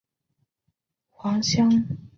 黄香草木樨是一种豆科植物。